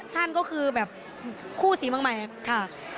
นั่นก็คือแบบคู่สีเมืองใหม่ค่ะ